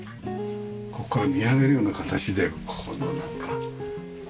ここから見上げるような形でこのなんか森の雰囲気が。